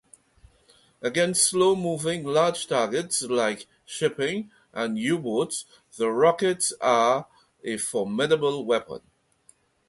Against slow-moving large targets like shipping and U-boats, the rocket was a formidable weapon.